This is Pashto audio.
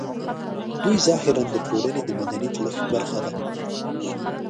دوی ظاهراً د ټولنې د مدني جوړښت برخه ده